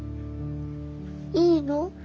いいの？